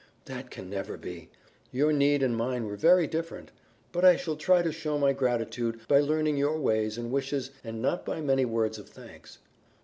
"That can never be. Your need and mine were very different. But I shall try to show my gratitude by learning your ways and wishes and not by many words of thanks."